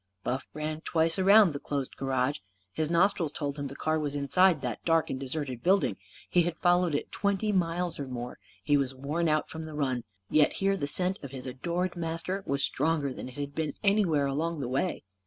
Buff ran twice around the closed garage. His nostrils told him the car was inside that dark and deserted building. He had followed it twenty miles or more. He was worn out from the run. Yet here the scent of his adored master was stronger than it had been anywhere along the way.